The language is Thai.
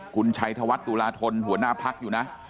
คุณชัยธวัฒน์ตุลาธนหัวหน้าพักอยู่นะ